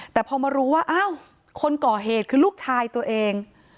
แต่พอมารู้ว่าอ้าวคนก่อเหตุคือลูกชายตัวเอง